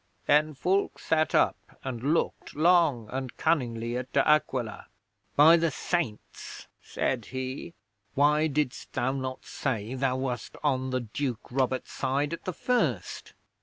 'Then Fulke sat up and looked long and cunningly at De Aquila. '"By the Saints," said he, "why didst thou not say thou wast on the Duke Robert's side at the first?"